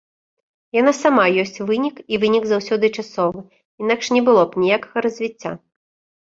Яна сама ёсць вынік, і вынік заўсёды часовы, інакш не было б ніякага развіцця.